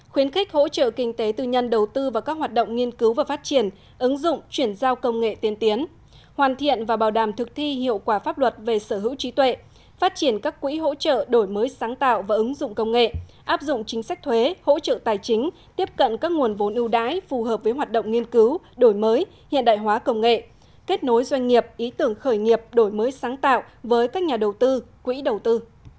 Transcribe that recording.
thứ ba hỗ trợ kinh tế tư nhân đầu tư và các hoạt động nghiên cứu và phát triển ứng dụng chuyển giao công nghệ tiên tiến hoàn thiện và bảo đảm thực thi hiệu quả pháp luật về sở hữu trí tuệ phát triển các quỹ hỗ trợ đổi mới sáng tạo và ứng dụng công nghệ áp dụng chính sách thuế hỗ trợ tài chính tiếp cận các nguồn vốn ưu đái phù hợp với hoạt động nghiên cứu đổi mới hiện đại hóa công nghệ kết nối doanh nghiệp ý tưởng khởi nghiệp đổi mới sáng tạo với các nhà đầu tư quỹ đầu tư